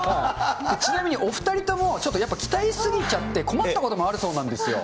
ちなみにお２人とも、ちょっとやっぱ鍛え過ぎちゃって、困ったこともあるそうなんですよ。